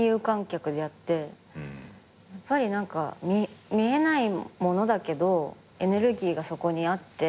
やっぱり何か見えないものだけどエネルギーがそこにあって。